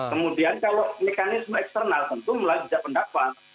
kemudian kalau mekanisme eksternal tentu melihat kebijak pendakwan